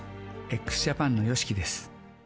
ＸＪＡＰＡＮのＹＯＳＨＩＫＩです。